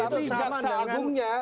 tapi jaksa agungnya